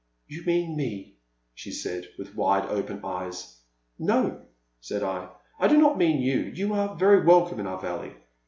*'You mean me," she said, with wide open eyes. No, said I, I do not mean you — ^you are very welcome in our valley.